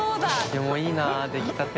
でもいいな出来たて。